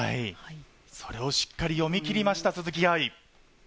それをしっかり読み切りました、鈴木愛。